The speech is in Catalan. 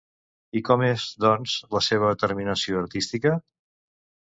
I com és, doncs, la seva terminació artística?